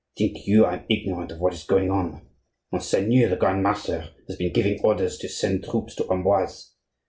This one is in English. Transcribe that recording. Think you I am ignorant of what is going on? Monseigneur the Grand Master has been giving orders to send troops to Amboise.